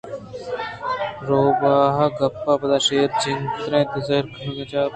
روباہ ءِ گپّ ءِ پدا شیر ءَ چکّ ترینت ءُ زَبَرت گُرک ءَ چا مپیلے